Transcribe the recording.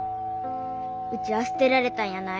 うちは捨てられたんやない。